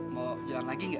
mau jalan lagi nggak